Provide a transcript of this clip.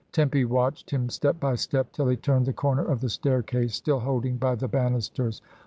Tempy watched him step by step till he turned the comer of the staircase, still holding by the bannisters.